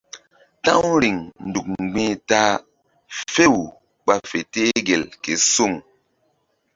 Ta̧w riŋ nzuk mgbi̧h ta a few ɓa fe teh gel ke suŋ.